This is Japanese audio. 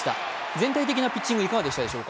全体的なピッチングいかがでしたか？